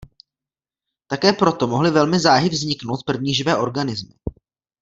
Také proto mohly velmi záhy vzniknout první živé organismy.